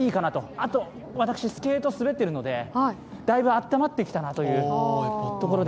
あと、私スケート滑っているのでだいぶ暖まってきたなというところで。